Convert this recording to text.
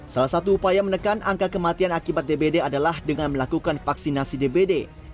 salah satu upaya menekan angka kematian akibat dbd adalah dengan melakukan vaksinasi dpd